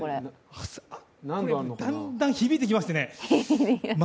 だんだん響いてきましたね。